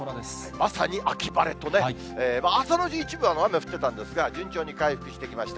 まさに秋晴れとね、朝のうち、一部は雨降ってたんですが、順調に回復してきました。